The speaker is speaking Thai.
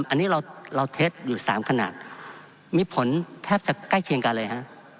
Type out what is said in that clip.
อันนี้เราเท็จอยู่สามขนาดมีผลแทบจะใกล้เคียงกันเลยฮะ